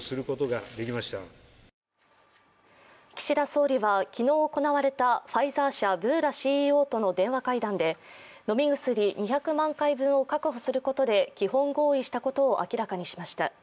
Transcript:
岸田総理は昨日行われたファイザー社・ブーラＣＥＯとの電話会談で飲み薬２００万回分を確保することで基本合意したことを明らかにしました。